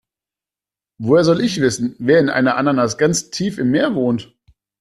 Woher soll ich wissen, wer in einer Ananas ganz tief im Meer wohnt?